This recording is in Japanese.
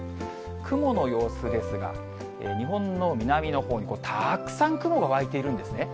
雲の様子ですが、日本の南のほうにたくさん雲が湧いているんですね。